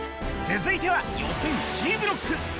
続いては、予選Ｃブロック。